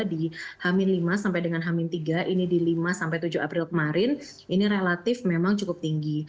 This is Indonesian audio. di hamin lima sampai dengan hamin tiga ini di lima sampai tujuh april kemarin ini relatif memang cukup tinggi